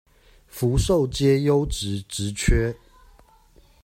福壽街優質職缺